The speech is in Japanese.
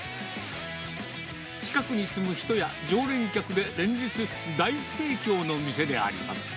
近くに住む人や常連客で連日、大盛況の店であります。